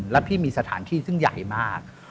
แล้วพี่มีสถานที่ซึ่งใหญ่มาก